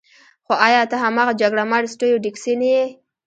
خو ایا ته هماغه جګړه مار سټیو ډیکسي نه یې